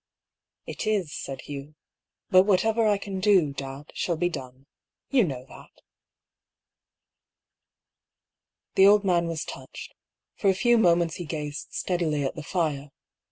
" It is," said Hugh. " But whatever I can do, dad, shall be done. You know that." The old man was touched. For a few moments he gazed steadily at the fire.